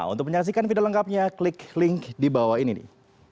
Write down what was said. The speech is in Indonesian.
untuk menyaksikan video lengkapnya klik link di bawah ini nih